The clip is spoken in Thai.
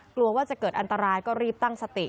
กลัวว่าจะเกิดอันตรายก็รีบตั้งสติ